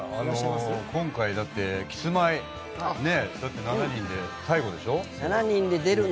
今回だってキスマイ７人で最後でしょ。